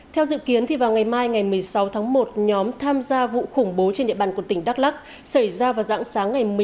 theo dự kiến vào ngày mai ngày một mươi sáu tháng một nhóm tham gia vụ khủng bố trên địa bàn quận tỉnh đắk lắc xảy ra vào giãng sáng ngày một mươi hai